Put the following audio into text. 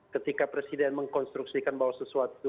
ketika presiden mengkonstruksikan bahwa sesuatu